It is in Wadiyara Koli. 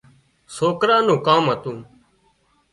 سوڪران نُون ڪام هتون